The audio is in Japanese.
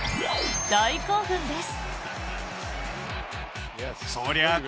大興奮です。